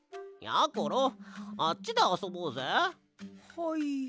はい。